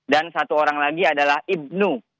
dan satu orang lagi adalah ibu